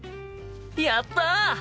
やった！